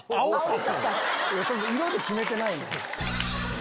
色で決めてないねん。